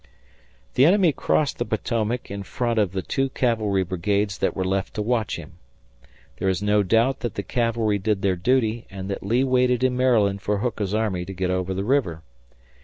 The enemy crossed the Potomac in front of the two cavalry brigades that were left to watch him. There is no doubt that the cavalry did their duty, and that Lee waited in Maryland for Hooker's army to get over the river.